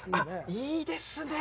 いいですね。